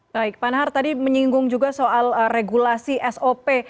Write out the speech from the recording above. baik panhar tadi menyinggung juga soal regulasi sop